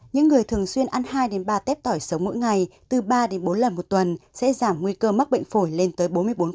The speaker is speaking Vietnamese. những người thường xuyên ăn hai ba tép tỏi sống mỗi ngày từ ba đến bốn lần một tuần sẽ giảm nguy cơ mắc bệnh phổi lên tới bốn mươi bốn